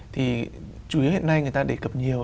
thì chủ yếu hiện nay người ta đề cập nhiều